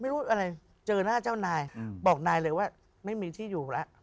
รู้อะไรเจอหน้าเจ้านายบอกนายเลยว่าไม่มีที่อยู่แล้ว